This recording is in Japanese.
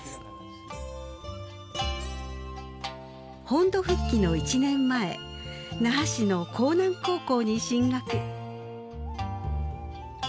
本土復帰の１年前那覇市の興南高校に進学。